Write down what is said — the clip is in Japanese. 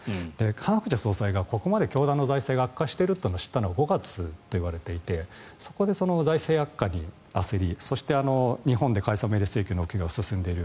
ハン・ハクチャ総裁がここまで教団の財政が悪化しているというのを知ったのは５月といわれていてそこで財政悪化に焦りそして日本で解散命令の請求が進んでいる。